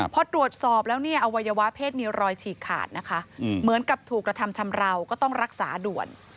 พอตรวจสอบแล้วเนี่ยอวัยวะเพศมีรอยฉีกขาดนะคะเหมือนกับถูกกระทำชำราวก็ต้องรักษาด่วน